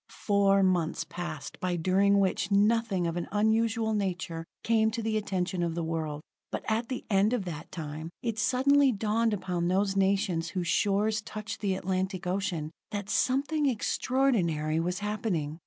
Four months passed by during which nothing of an unusual nature came to the attention of the world. But at the end of that time, it suddenly dawned upon those nations whose shores touched the Atlantic ocean, that something extraordinary was happening.